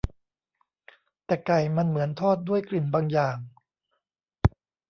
แต่ไก่มันเหมือนทอดด้วยกลิ่นบางอย่าง